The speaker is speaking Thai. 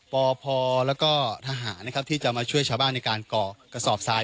ปพแล้วก็ทหารนะครับที่จะมาช่วยชาวบ้านในการก่อกระสอบทราย